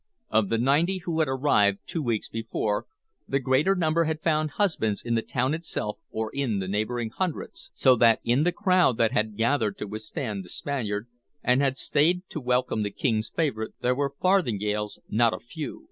Of the ninety who had arrived two weeks before, the greater number had found husbands in the town itself or in the neighboring hundreds, so that in the crowd that had gathered to withstand the Spaniard, and had stayed to welcome the King's favorite, there were farthingales not a few.